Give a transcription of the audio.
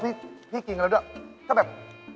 เพราะว่าพี่กินกำลังด้วยถ้าแบบ